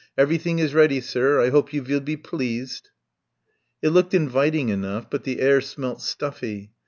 Everything is ready, sir. I hope you vill be pleased." It looked inviting enough, but the air smelt stuffy.